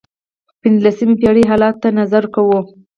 پنځلسمې پېړۍ حالاتو ته نظر کوو.